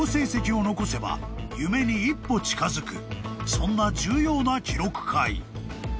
［そんな重要な記録会］